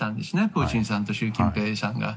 プーチンさんと習近平さんが。